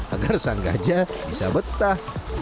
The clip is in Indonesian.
agar sang gajah bisa betah